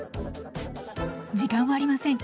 時間はありません。